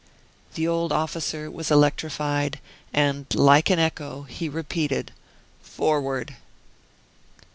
The old officer was electrified, and, like an echo, he repeated: "Forward!"